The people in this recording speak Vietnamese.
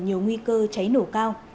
nhiều nguy cơ cháy nổ cao